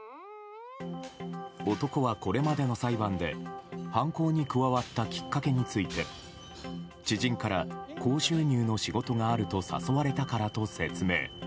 男はこれまでの裁判で犯行に加わったきっかけについて知人から高収入の仕事があると誘われたからと説明。